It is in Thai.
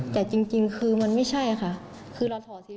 แต่จริงคือมันไม่ใช่ค่ะคือเราถอดสิ